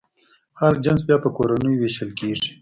هر جنس بیا په کورنیو وېشل کېږي.